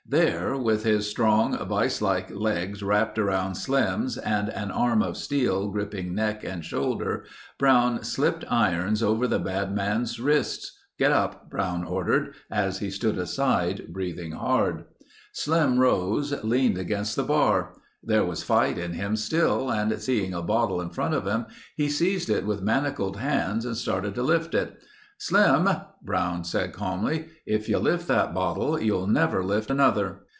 There with his strong vice like legs wrapped around Slim's and an arm of steel gripping neck and shoulder, Brown slipped irons over the bad man's wrists. "Get up," Brown ordered as he stood aside, breathing hard. Slim rose, leaned against the bar. There was fight in him still and seeing a bottle in front of him, he seized it with manacled hands, started to lift it. "Slim," Brown said calmly, "if you lift that bottle you'll never lift another."